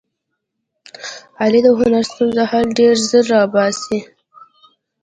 علي د هرې ستونزې حل ډېر زر را اوباسي.